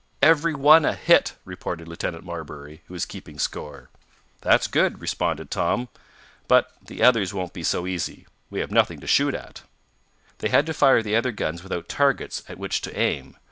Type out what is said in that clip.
"Every one a hit!" reported Lieutenant Marbury, who was keeping "score." "That's good," responded Tom. "But the others won't be so easy. We have nothing to shoot at." They had to fire the other guns without targets at which to aim.